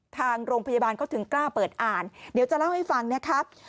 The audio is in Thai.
ทางโรงพยาบาลเขาถึงกล้าเปิดอ่านเดี๋ยวจะเล่าให้ฟังนะครับ